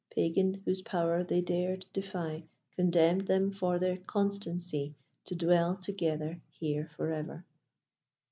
Pagan, whose power they dared defy, Condemned them, for their constancy, To dwell together here for ever!